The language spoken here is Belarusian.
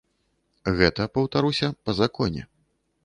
Гэта, паўтаруся, па законе.